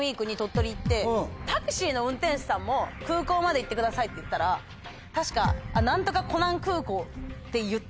タクシーの運転手さんも「空港まで行ってください」って言ったら確か何とかコナン空港って言った気がする。